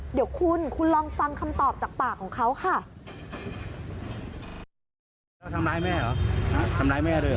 เดี๋ยวคุณคุณลองฟังคำตอบจากปากของเขาค่ะ